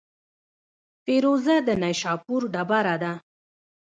فیروزه د نیشاپور ډبره ده.